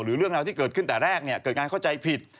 เรื่องราวที่เกิดขึ้นแต่แรกเนี่ยเกิดการเข้าใจผิด